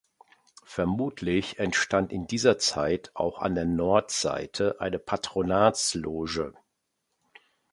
Vermutlich entstand in dieser Zeit auch an der Nordseite eine Patronatsloge.